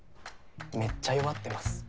めっちゃ弱ってます。